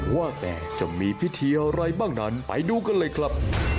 ว่าแต่จะมีพิธีอะไรบ้างนั้นไปดูกันเลยครับ